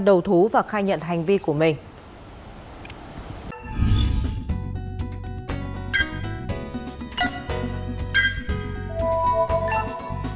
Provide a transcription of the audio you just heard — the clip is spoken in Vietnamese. đầu thú và khai nhận hành vi của mình